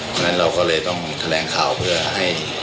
ดังนั้นเราก็เลยต้องแสดงข่าวเพื่อให้